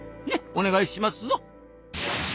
お願いしますぞ！